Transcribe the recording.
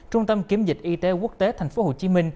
trung tâm kiểm dịch y tế quốc tế tp hcm